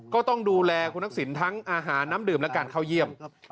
ก็ต้องดูแลคุณทักษิณทั้งอาหารน้ำดื่มและการเข้าเยี่ยม